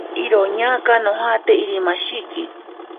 Iroñaka ajate Irimashiki.